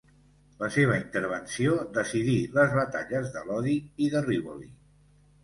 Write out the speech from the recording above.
La seva intervenció decidí les batalles de Lodi i de Rivoli.